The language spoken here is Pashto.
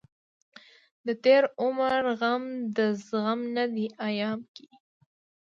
دتېر عمر غم دزغم نه دی ايام کې